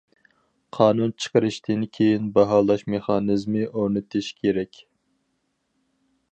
قانۇن چىقىرىشتىن كېيىن باھالاش مېخانىزمى ئورنىتىش كېرەك.